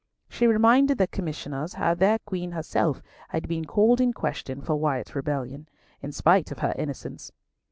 She reminded the Commissioners how their Queen herself had been called in question for Wyatt's rebellion, in spite of her innocence.